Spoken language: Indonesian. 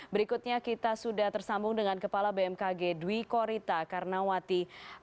berikutnya kita sudah tersambung dengan kepala bmkg dwi korita karnawati